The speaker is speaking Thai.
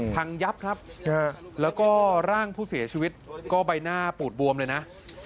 พังยับครับแล้วก็ร่างผู้เสียชีวิตก็ใบหน้าปูดบวมเลยนะ